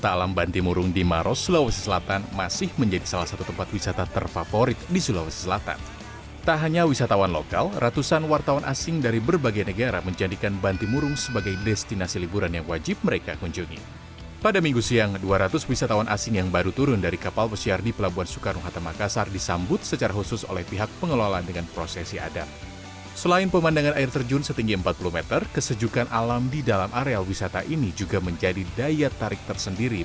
alam di dalam areal wisata ini juga menjadi daya tarik tersendiri